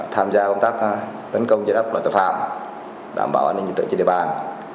tham gia công tác tấn công chế đắp loại tội phạm đảm bảo an ninh dịch tội trên địa bàn